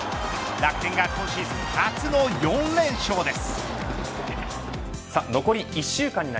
楽天が今シーズン初の４連勝です。